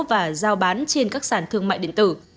và giao bán trên các sản thương mại điện tử